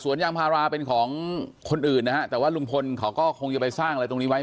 ยางพาราเป็นของคนอื่นนะฮะแต่ว่าลุงพลเขาก็คงจะไปสร้างอะไรตรงนี้ไว้